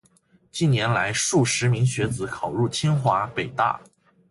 近年来，数十名学子考入清华、北大